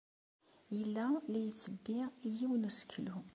Yella la ittebbi yiwen n useklu.